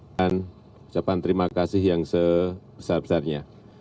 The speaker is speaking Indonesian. saya ucapkan terima kasih yang sebesar besarnya